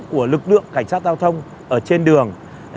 của lực lượng cảnh sát giao thông ở trên đường